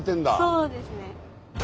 そうですね。